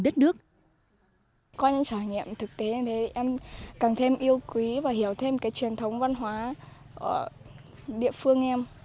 qua những trải nghiệm thực tế em càng thêm yêu quý và hiểu thêm truyền thống văn hóa địa phương em